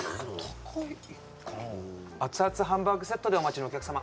高いかな熱々ハンバーグセットでお待ちのお客様